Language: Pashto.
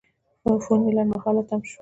فون مې لنډمهاله تم شو.